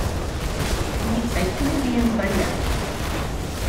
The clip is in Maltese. Jista' jkun li jien żbaljat.